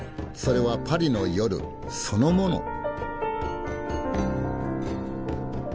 それはパリの夜そのもの。